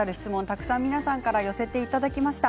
たくさん皆さんから寄せていただきました。